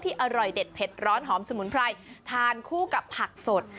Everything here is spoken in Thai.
อร่อยเด็ดเผ็ดร้อนหอมสมุนไพรทานคู่กับผักสด